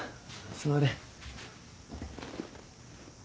座れ。